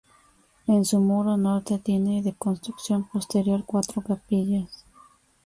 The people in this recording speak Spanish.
En su muro norte tiene, de construcción posterior, cuatro capillas.